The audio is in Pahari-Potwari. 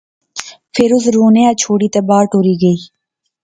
فیر اس رونیا ایہہ چھوڑی تے باہر ٹری گئی